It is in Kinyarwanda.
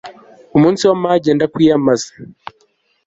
umunsi w'amage ndakwiyambaza